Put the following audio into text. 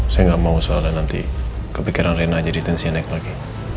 saya gak mau soalnya nanti kepikiran rina jadi tensi yang naik lagi